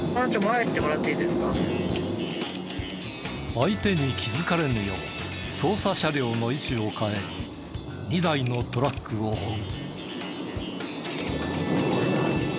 相手に気づかれぬよう捜査車両の位置を変え２台のトラックを追う。